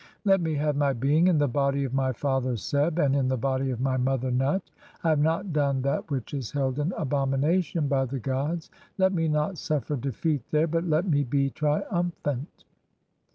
"Let me have my being in the body of [my] father Seb, [and "in the body of my] mother Nut. I have not done that which "is held in abomination by the gods ; let me not suffer defeat "there, [but let me be] triumphant."